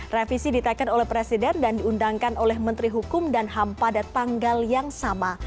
revisi ditekan oleh presiden dan diundangkan oleh menteri hukum dan ham pada tanggal yang sama